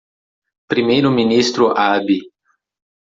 Primeiro ministro Abe.